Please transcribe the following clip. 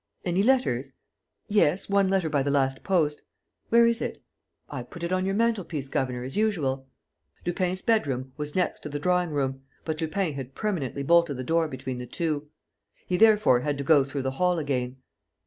"Any letters?" "Yes, one letter by the last post." "Where is it?" "I put it on your mantel piece, governor, as usual." Lupin's bedroom was next to the drawing room, but Lupin had permanently bolted the door between the two. He, therefore, had to go through the hall again.